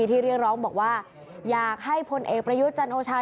ที่เรียกร้องบอกว่าอยากให้พลเอกประยุทธ์จันโอชา